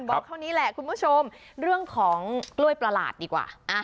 บอกเท่านี้แหละคุณผู้ชมเรื่องของกล้วยประหลาดดีกว่า